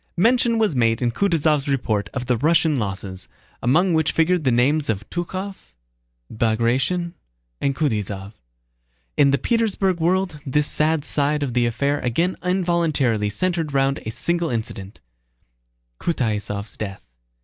Mention was made in Kutúzov's report of the Russian losses, among which figured the names of Túchkov, Bagratión, and Kutáysov. In the Petersburg world this sad side of the affair again involuntarily centered round a single incident: Kutáysov's death.